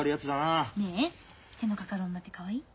ねえ手のかかる女ってかわいい？